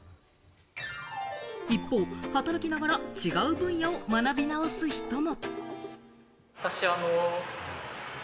一方、働きながら違う分野を学び直す人も。